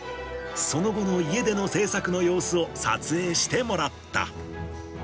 その後の家での製作の様子を撮影してもらった。